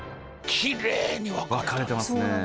分かれてますね。